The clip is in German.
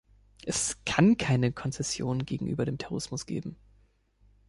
Es kann keine Konzessionen gegenüber dem Terrorismus geben.